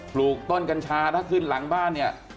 ปลูกต้นกัญชาถ้าขึ้นหลังบ้านเนี่ย